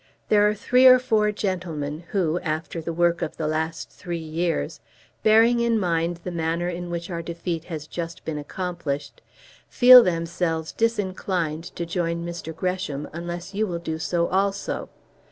There are three or four gentlemen who, after the work of the last three years, bearing in mind the manner in which our defeat has just been accomplished, feel themselves disinclined to join Mr. Gresham unless you will do so also.